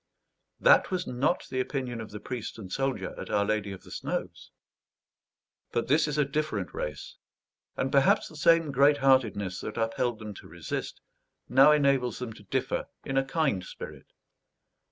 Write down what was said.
That was not the opinion of the priest and soldier at Our Lady of the Snows. But this is a different race; and perhaps the same great heartedness that upheld them to resist, now enables them to differ in a kind spirit.